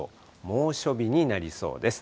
猛暑日になりそうです。